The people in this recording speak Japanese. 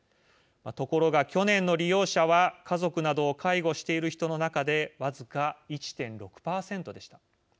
ところが、去年の利用者は家族などを介護している人の中で僅か１．６％でした。